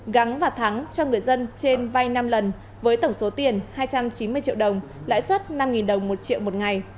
gắng và thắng cho người dân trên vai năm lần với tổng số tiền hai trăm chín mươi triệu đồng lãi suất năm đồng một triệu một ngày